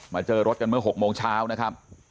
เจอรถกันเมื่อ๖โมงเช้านะครับ